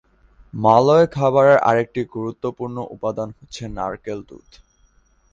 মালয় খাবারের আরেকটি গুরুত্বপূর্ণ উপাদান হচ্ছে নারকেল দুধ।